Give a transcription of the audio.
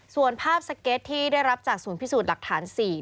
ส่วนภาพสเก็ตที่ได้รับจากศูนย์พิสูจน์หลักฐาน๔